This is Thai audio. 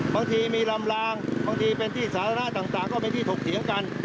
บางทีมีลำลางบางทีเป็นที่สาธารณะต่างก็เป็นที่ถกเถียงกัน